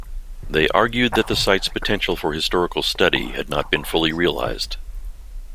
They argued that the site's potential for historical study had not been fully realised.